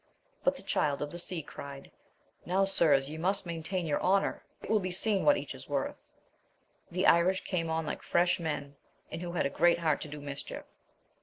But the Child of the Sea cried. Now, sirs, ye must maintain your honour ! it will be seen what each is worth ! The Irish came on like fresh men, and who had a great heart to do mischief.